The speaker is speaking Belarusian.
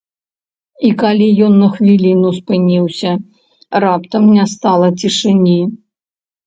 І калі ён на хвіліну спыніўся, раптам не стала цішыні.